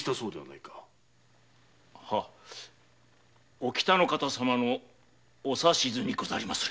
お喜多の方様のお指図でございます。